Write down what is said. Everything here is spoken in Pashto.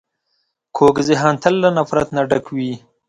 کوږ ذهن تل له نفرت نه ډک وي